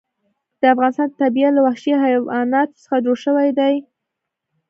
د افغانستان طبیعت له وحشي حیواناتو څخه جوړ شوی دی.